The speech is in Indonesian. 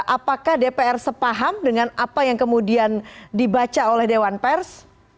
apakah dpr sepaham dengan apa yang kemudian dibaca oleh dewan pers